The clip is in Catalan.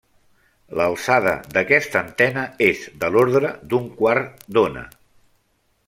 L'alçada d'aquesta antena és de l'ordre d'un quart d'ona.